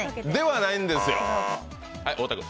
ではないんですよ。